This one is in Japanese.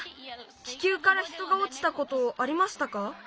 気球から人がおちたことありましたか？